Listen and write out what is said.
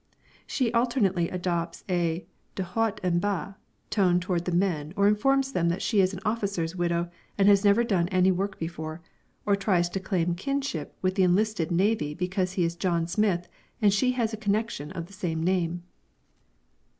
She alternately adopts a de haut en bas tone towards the men and informs them that she is an officer's widow and has never done any work before, or tries to claim kinship with the enlisted navvy because he is John Smith and she has a connection of the same name.